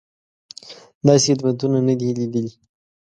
داسې خدمتونه نه دي لیدلي.